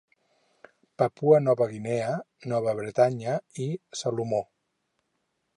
Papua Nova Guinea, Nova Bretanya i Salomó.